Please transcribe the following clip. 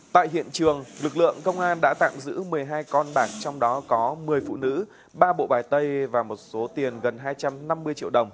tại hiện trường lực lượng công an đã tạm giữ một mươi hai con bạc trong đó có một mươi phụ nữ ba bộ bài tay và một số bạc